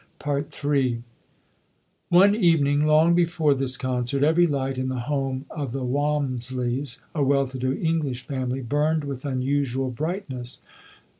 Ill One evening, long before this concert, every light in the home of the Walmisleys, a well to do English family, burned with unusual brightness.